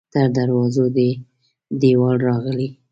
تر دروازو دې دیوال راغلی